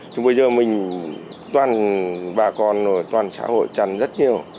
chứ bây giờ mình toàn bà con toàn xã hội chăn rất nhiều